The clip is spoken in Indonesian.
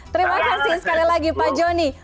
terima kasih sekali lagi pak joni